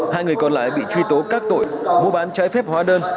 hai người còn lại bị truy tố các tội mua bán trái phép hóa đơn